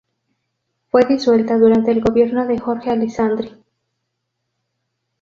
Fue disuelta durante el gobierno de Jorge Alessandri.